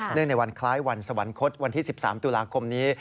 ในวันคล้ายวันสวรรคตวันที่๑๓ตุลาคมนี้